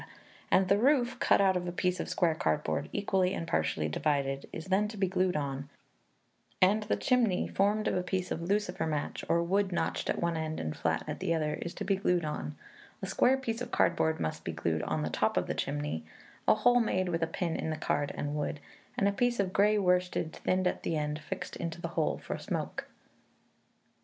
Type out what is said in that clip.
and the roof cut out of a piece of square cardboard, equally and partially divided is then to be glued on, and the chimney formed of a piece of lucifer match, or wood notched at one end and flat at the other is to be glued on, A square piece of cardboard must be glued on the top of the chimney; a hole made with a pin in the card and wood; and a piece of grey worsted, thinned at the end, fixed into the hole for smoke.